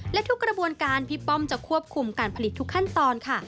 และทุกกระบวนการพี่ป้อมจะควบคุมการผลิตทุกขั้นตอนค่ะ